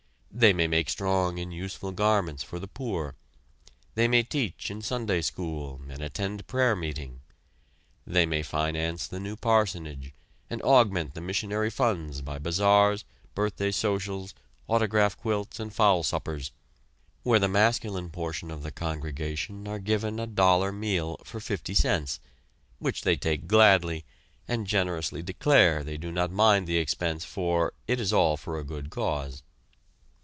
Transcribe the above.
They may make strong and useful garments for the poor; they may teach in Sunday school and attend prayer meeting; they may finance the new parsonage, and augment the missionary funds by bazaars, birthday socials, autograph quilts and fowl suppers where the masculine portion of the congregation are given a dollar meal for fifty cents, which they take gladly and generously declare they do not mind the expense for "it is all for a good cause."